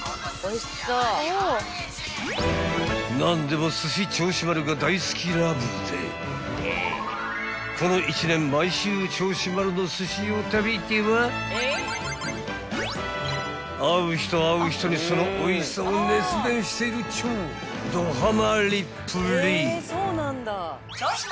［何でもすし銚子丸が大好きラブでこの１年毎週銚子丸の寿司を食べては会う人会う人にそのおいしさを熱弁してるっちゅうどハマりっぷり］